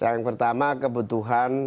yang pertama kebutuhan